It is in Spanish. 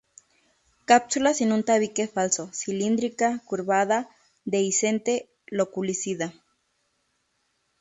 Cápsula sin un tabique falso, cilíndrica, curvada, dehiscente loculicida.